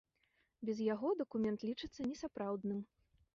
Без яго дакумент лічыцца несапраўдным.